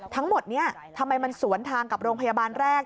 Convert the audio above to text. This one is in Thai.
ทั้งหมดนี้ทำไมมันสวนทางกับโรงพยาบาลแรก